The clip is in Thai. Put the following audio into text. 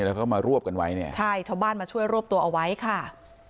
แล้วก็มารวบกันไว้เนี่ยใช่ชาวบ้านมาช่วยรวบตัวเอาไว้ค่ะ